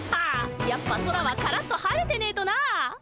やっぱ空はカラッと晴れてねえとなあ。